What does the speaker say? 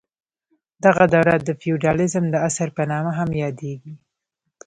دغه دوره د فیوډالیزم د عصر په نامه هم یادیږي.